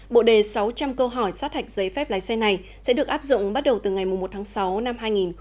bộ đề sáu trăm linh câu hỏi sát hạch giấy phép lái xe này sẽ được áp dụng bắt đầu từ ngày một tháng sáu năm hai nghìn hai mươi